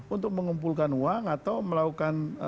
untuk mengumpulkan uang atau melakukan